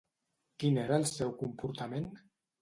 Quin era el seu comportament?